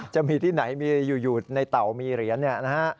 จะมีที่ไหนมีอยู่ในเต่ามีเหรียญเนี่ยนะฮะ